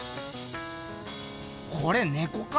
これネコか？